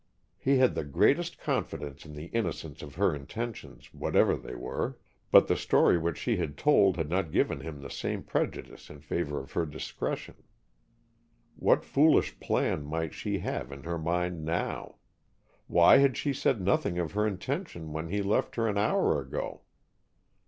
He had the greatest confidence in the innocence of her intentions, whatever they were, but the story which she had told had not given him the same prejudice in favor of her discretion. What foolish plan might she have in her mind now? Why had she said nothing of her intention when he left her an hour ago?